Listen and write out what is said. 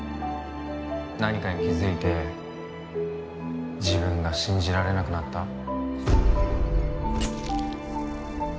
何かに気づいて自分が信じられなくなった？